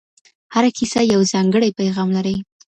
هره کیسه یو ځانګړی پیغام لري.